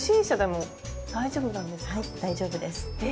はい大丈夫です。え！